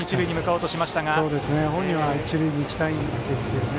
そうですね、本人は一塁に行きたいですよね。